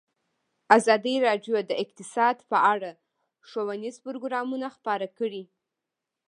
ازادي راډیو د اقتصاد په اړه ښوونیز پروګرامونه خپاره کړي.